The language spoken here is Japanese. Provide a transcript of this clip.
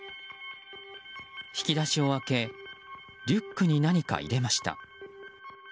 引き出しを開けリュックに何か入れました。